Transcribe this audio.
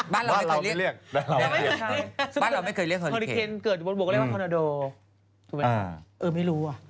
บ้านเราไม่เคยเรียกบ้านเราไม่เคยเรียกฮอริเคนเกิดบนบนก็เรียกว่าฮอนาโด